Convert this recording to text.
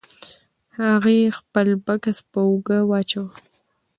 هغې خپل بکس په اوږه واچاوه.